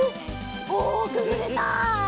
おくぐれた！